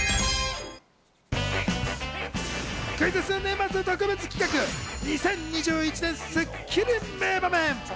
クイズッス年末特別企画２０２１年スッキリ名場面！